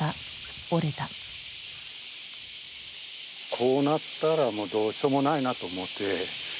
こうなったらもうどうしようもないなと思って。